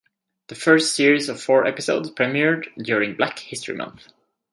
The first series of four episodes premiered during Black History Month.